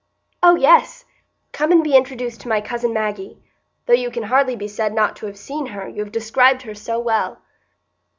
"Oh yes! Come and be introduced to my cousin Maggie; though you can hardly be said not to have seen her, you have described her so well."